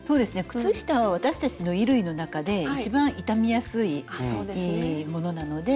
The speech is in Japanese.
靴下は私たちの衣類の中で一番傷みやすいものなので。